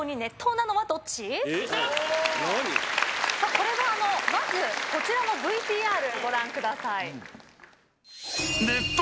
これはまずこちらのＶＴＲご覧ください。